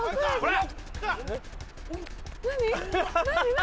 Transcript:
何？